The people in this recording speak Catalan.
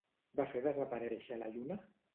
Va fer desapareixer la lluna.